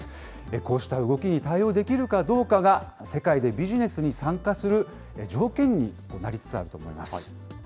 こうした動きに対応できるかどうかが、世界でビジネスに参加する条件になりつつあると思います。